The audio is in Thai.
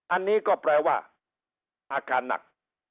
อันนี้ก็แปลว่าอาการหนัก